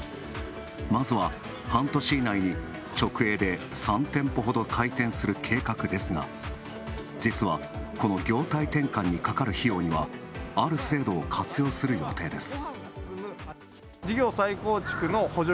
まずは半年以内に直営で３店舗ほど開店する計画ですが実は、この業態転換にかかる費用にはある制度を活用する予定です